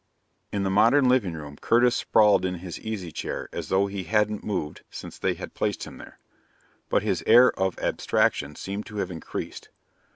In the modern living room, Curtis sprawled in his easy chair as though he hadn't moved since they had placed him there. But his air of abstraction seemed to have increased.